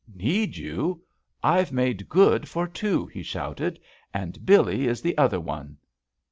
"Need you I I've made good for two," he shouted, "and Billee is the other one."